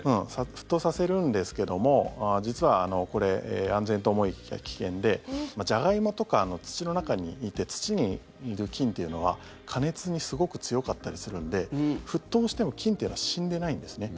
沸騰させるんですけども実はこれ安全と思いきや危険でジャガイモとかの土の中にいて土にいる菌というのは加熱にすごく強かったりするんで沸騰しても菌というのは死んでないんですね。